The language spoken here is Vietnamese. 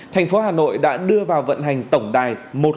thành phố hà nội đã đưa vào vận hành tổng đài một nghìn hai mươi hai